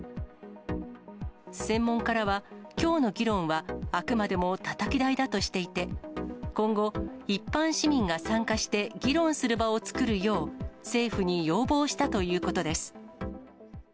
専門家らは、きょうの議論はあくまでもたたき台だとしていて、今後、一般市民が参加して議論する場を作るよう、政府に要望したということです。